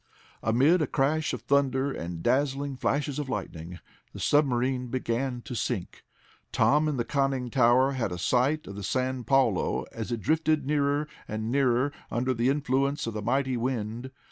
Amid a crash of thunder and dazzling flashes of lightning, the submarine began to sink. Tom, in the conning tower had a sight of the San Paulo as it drifted nearer and nearer under the influence of the mighty wind.